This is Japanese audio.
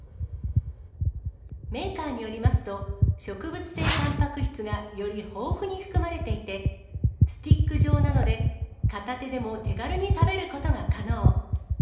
メーカーによりますと、植物性たんぱく質がより豊富に含まれていて、スティック状なので、片手でも手軽に食べることが可能。